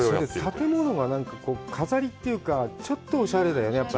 建物が、飾りというか、ちょっとおしゃれだよね。